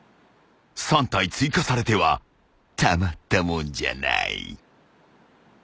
［３体追加されてはたまったもんじゃない］